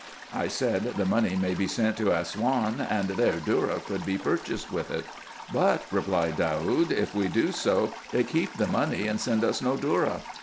I said, the money may be sent to Assouan, and there dhourra could be purchased with it. " But," replied Daoud, " if we do so, they keep the money, and send us no dhourra."